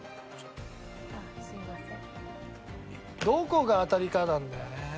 どこが当たりかなんだよね。